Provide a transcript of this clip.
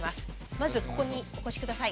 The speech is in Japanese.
まずここにお越し下さい。